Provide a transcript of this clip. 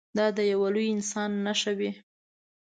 دا د یوه لوی انسان نښه وي.